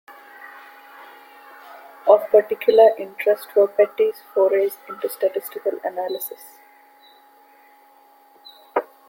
Of particular interest were Petty's forays into statistical analysis.